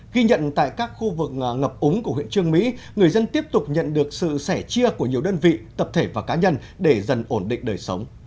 ghi nhận tại các khu vực ngập úng của huyện trương mỹ người dân tiếp tục nhận được sự sẻ chia của nhiều đơn vị tập thể và cá nhân để dần ổn định đời sống